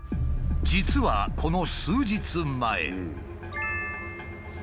実はこの数日前。